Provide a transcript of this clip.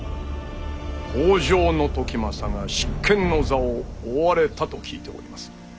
北条時政が執権の座を追われたと聞いております。